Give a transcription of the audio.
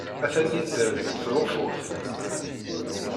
Atan yedder deg tḍeffut.